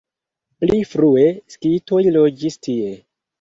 Pli frue skitoj loĝis tie.